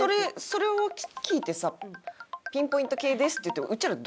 それを聞いてさピンポイント系ですって言って。